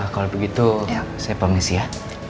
kalo begitu saya permisi ya